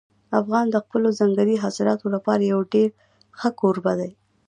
افغانستان د خپلو ځنګلي حاصلاتو لپاره یو ډېر ښه کوربه دی.